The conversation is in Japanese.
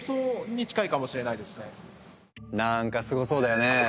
なんかすごそうだよね？